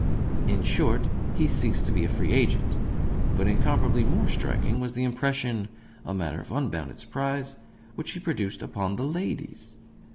In short, he ceased to be a free agent. But incomparably more striking was the impression (a matter for unbounded surprise!) which he produced upon the ladies.